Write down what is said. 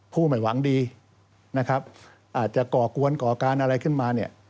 ไม่หวังดีนะครับอาจจะก่อกวนก่อการอะไรขึ้นมาเนี่ย